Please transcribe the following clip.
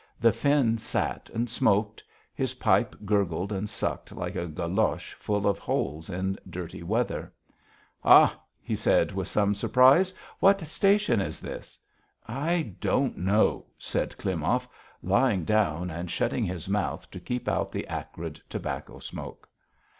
The Finn sat and smoked. His pipe gurgled and sucked like a galoche full of holes in dirty weather. "Ha!" he said with some surprise. "What station is this?" "I don't know," said Klimov, lying down and shutting his mouth to keep out the acrid tobacco smoke.